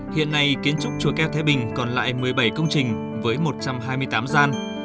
hiện nay kiến trúc chùa keo thái bình còn lại một mươi bảy công trình với một trăm hai mươi tám gian